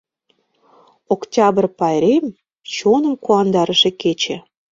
— Октябрь пайрем — чоным куандарыше кече.